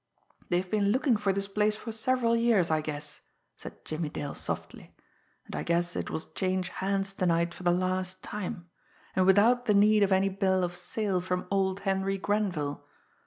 "They've been looking for this place for several years, I guess," said Jimmie Dale softly. "And I guess it will change hands to night for the last time and without the need of any Bill of Sale from old Henry Grenville!